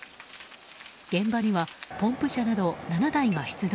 現場にはポンプ車など７台が出動。